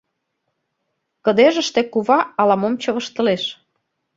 Кыдежыште кува ала-мом чывыштылеш.